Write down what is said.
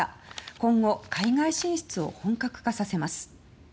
今後、海外進出を本格化させます。